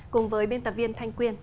cùng với biên tập viên thanh quyên